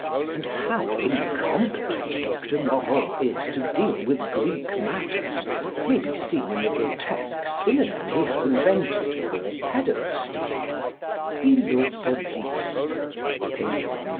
And how incompetent Dr. Moreau is to deal with Greek matters may be seen in the grotesque synonym he has invented for pæderasty philopodie (p.